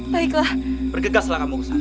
baiklah bergegaslah kamu